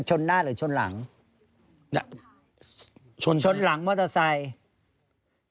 ชนหลังมอเตอร์ไซด์